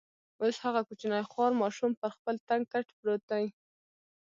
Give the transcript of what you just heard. اوس هغه کوچنی خوار ماشوم پر خپل تنګ کټ پروت دی.